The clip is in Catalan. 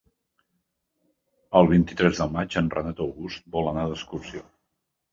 El vint-i-tres de maig en Renat August vol anar d'excursió.